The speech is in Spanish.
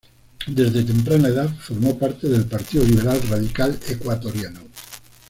Desde temprana edad formó parte del Partido Liberal Radical Ecuatoriano.